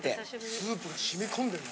スープが染み込んでるな。